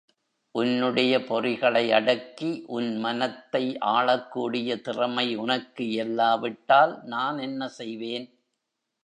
உன்னுடைய பொறிகளை அடக்கி, உன் மனத்தை ஆளக்கூடிய திறமை உனக்கு இல்லாவிட்டால் நான் என்ன செய்வேன்?